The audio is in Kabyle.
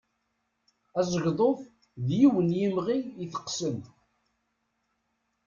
Azegḍuf d yiwen n yimɣi iteqsen.